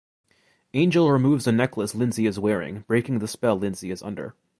Angel removes a necklace Lindsey is wearing, breaking the spell Lindsey is under.